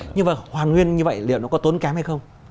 nhưng mà hoàn nguyên như vậy liệu nó có tốn kém hay không